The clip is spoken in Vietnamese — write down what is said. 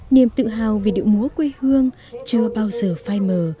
niềm tự hào về điệu múa quê hương chưa bao giờ phai mờ